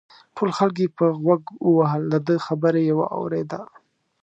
ټول خلک یې په غوږ ووهل دده خبره یې واورېده.